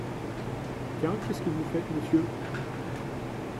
Tiens ! qu’est-ce que vous faites, monsieur ?…